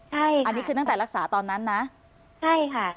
ใช่อันนี้คือตั้งแต่รักษาตอนนั้นนะใช่ค่ะ